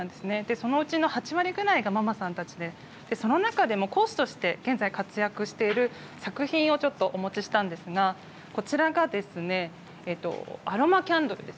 そのうちの８割くらいがママさんたちで、その中で講師として活躍している作品をお持ちしたんですがこちらがアロマキャンドルです。